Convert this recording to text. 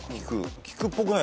菊っぽくない？